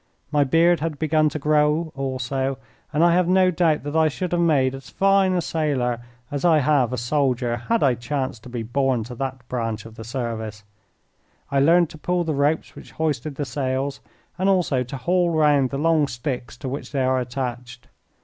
My beard had begun to grow also, and I have no doubt that I should have made as fine a sailor as I have a soldier had I chanced to be born to that branch of the service. I learned to pull the ropes which hoisted the sails, and also to haul round the long sticks to which they are attached.